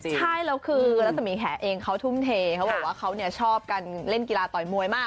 ใช่แล้วคือรัศมีแห่เองเขาทุ่มเทเขาบอกว่าเขาชอบการเล่นกีฬาต่อยมวยมาก